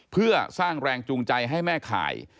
เพื่อสร้างแรงจูงใจให้แม่ข่าย